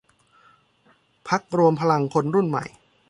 พรรครวมพลังคนรุ่นใหม่